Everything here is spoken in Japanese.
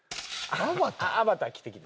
『アバター』着てきて。